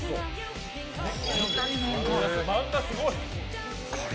漫画すごい。